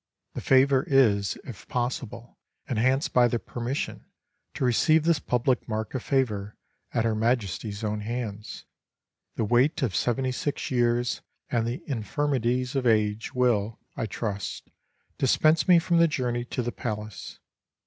The favor is, if possible, enhanced by the permission to receive this public mark of favor at Her Majesty's own hands. The weight of seventy six years and the infirmities of age will, I trust, dispense me from the journey to the palace.